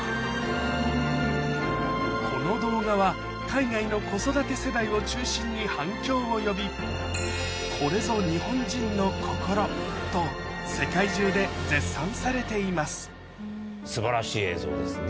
この動画は海外の子育て世代を中心に反響を呼びこれぞと世界中で絶賛されています素晴らしい映像ですね。